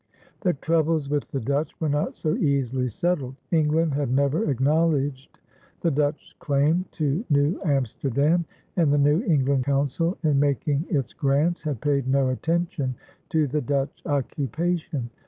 The troubles with the Dutch were not so easily settled. England had never acknowledged the Dutch claim to New Amsterdam, and the New England Council in making its grants had paid no attention to the Dutch occupation.